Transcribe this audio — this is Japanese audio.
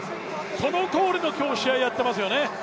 そのとおりの試合をやっていますよね。